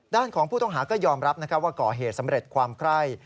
ด้านของผู้ต้องหาก็ยอมรับว่าก่อเหตุสำเร็จความไคร้